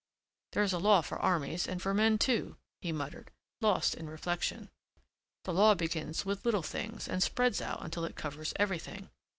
"There is a law for armies and for men too," he muttered, lost in reflection. "The law begins with little things and spreads out until it covers everything.